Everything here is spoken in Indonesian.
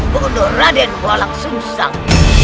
bunuh raden walang sungsang